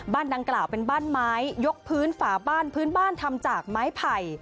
บ้านดังกล่าวเป็นบ้านไม้ยกพื้นฝาบ้านพื้นบ้านทำจากไม้ไผ่